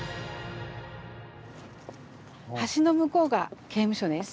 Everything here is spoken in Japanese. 橋の向こうが刑務所です。